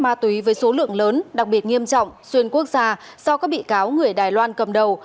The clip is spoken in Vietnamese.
ma túy với số lượng lớn đặc biệt nghiêm trọng xuyên quốc gia do các bị cáo người đài loan cầm đầu